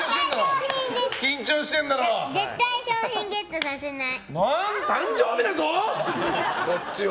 絶対商品ゲットさせない！